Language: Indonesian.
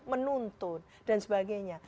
menuntut dan sebagainya